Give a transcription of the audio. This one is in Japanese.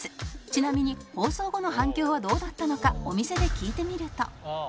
ちなみに放送後の反響はどうだったのかお店で聞いてみると